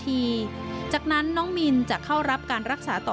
การเดินทางไปรับน้องมินครั้งนี้ทางโรงพยาบาลเวทธานีไม่มีการคิดค่าใช้จ่ายใด